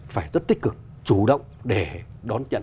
phải rất tích cực chủ động để đón nhận